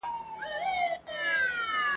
له سېله پاته له پرواز څخه لوېدلی یمه ..